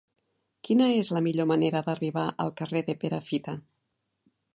Quina és la millor manera d'arribar al carrer de Perafita?